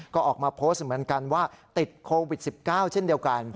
ก็ออกมาโพสต์เหมือนกันว่าติดโควิด๑๙เช่นเดียวกัน